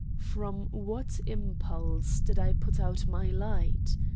From what impulse did I put out my light?